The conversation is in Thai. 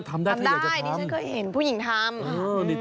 ถัมได้นี่ผมเคยเห็นผู้หญิงทำ